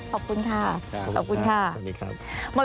ขอบคุณค่ะขอบคุณค่ะสวัสดีครับสวัสดีครับ